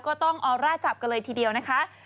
ก็ต้องออร่าจับกันเลยทีเดียวนะคะ